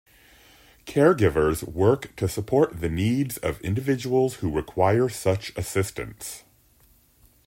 Caregivers work to support the needs of individuals who require such assistance.